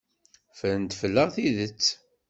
Ffrent fell-aɣ tidet.